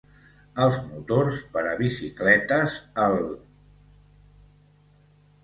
Els motors per a bicicletes el